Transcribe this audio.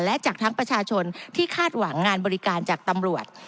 และจากทั้งประชาชนที่คาดหวังงานบริการจากตำรวจ